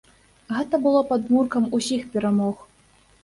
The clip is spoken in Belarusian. Гэта было падмуркам усіх перамог.